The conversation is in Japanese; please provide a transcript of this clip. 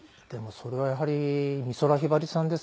それはやはり美空ひばりさんですね。